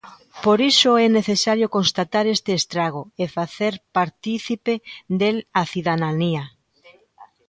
Por iso é necesario constatar este estrago e facer partícipe del a cidadanía.